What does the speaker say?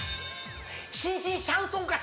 新進シャンソン歌手